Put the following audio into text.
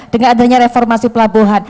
dengan adanya reformasi pelabuhan